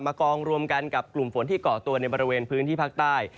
กองรวมกันกับกลุ่มฝนที่เกาะตัวในบริเวณพื้นที่ภาคใต้